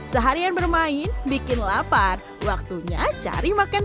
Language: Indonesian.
seharian bermain bikin lapar waktunya cari makan